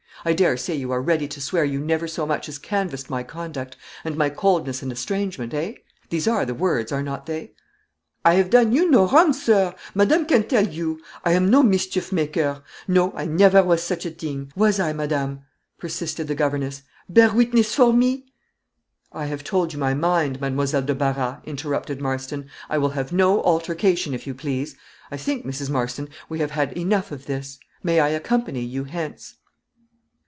I dare say you are ready to swear you never so much as canvassed my conduct, and my coldness and estrangement eh? These are the words, are not they?" "I have done you no wrong, sir; madame can tell you. I am no mischief maker; no, I never was such a thing. Was I, madame?" persisted the governess "bear witness for me?" "I have told you my mind, Mademoiselle de Barras," interrupted Marston; "I will have no altercation, if you please. I think, Mrs. Marston, we have had enough of this; may I accompany you hence?"